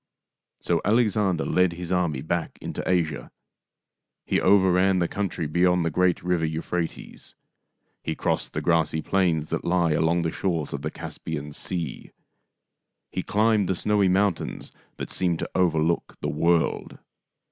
So Alexander led his army back into Asia. He overran the country beyond the great river Euphra tes. He crossed the grassy plains that lie along the shores of the Caspian Sea. He climbed the snowy mountains that seem to overlook the world.